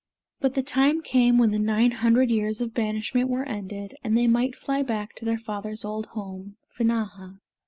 But the time came when the nine hundred years of banishment were ended, and they might fly back to their father's old home, Finnahà.